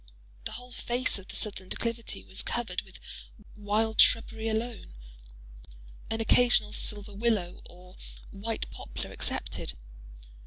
The whole face of the southern declivity was covered with wild shrubbery alone—an occasional silver willow or white poplar excepted.